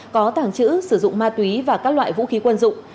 có tàng trữ sử dụng ma túy và các loại vũ khí quân dụng